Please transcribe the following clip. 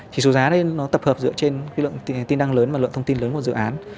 chỉ số giá nó tập hợp dựa trên cái lượng tin đăng lớn và lượng thông tin lớn của dự án